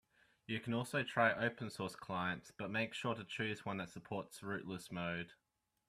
You can also try open source clients, but make sure to choose one that supports rootless mode.